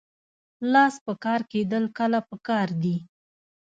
لاس په کار کیدل کله پکار دي؟